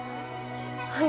はい。